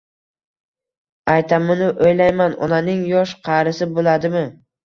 Aytamanu o‘ylayman: onaning yosh-qarisi bo‘ladimi?